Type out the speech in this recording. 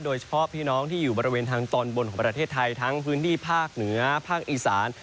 โดยเฉพาะพี่น้องที่อยู่บริเวณทางตอนบนของประเทศไทยทั้งพื้นที่ภาคเหนือภาคอีสาน